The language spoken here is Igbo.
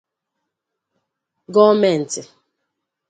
gọọmentị